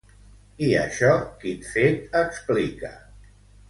I això quin fet explica?